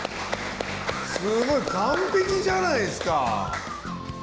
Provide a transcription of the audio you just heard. すごい完璧じゃないですか！